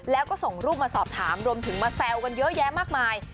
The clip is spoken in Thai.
แล้วก็ส่งรูปมาสอบถามรวมถึงมาแซวกันเยอะแยะมากมาย